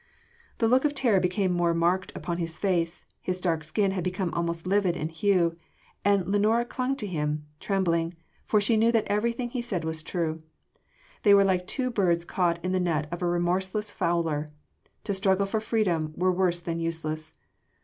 The look of terror became more marked upon his face, his dark skin had become almost livid in hue: and Lenora clung to him, trembling, for she knew that everything he said was true. They were like two birds caught in the net of a remorseless fowler: to struggle for freedom were worse than useless.